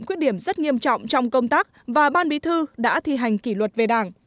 khuyết điểm rất nghiêm trọng trong công tác và ban bí thư đã thi hành kỷ luật về đảng